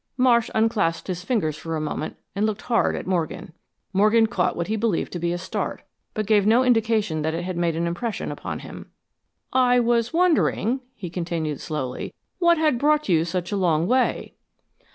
Marsh unclasped his fingers for a moment and looked hard at Morgan. Morgan caught what he believed to be a start, but gave no indication that it had made an impression upon him. "I was wondering," he continued, slowly, "what had brought you such a long way."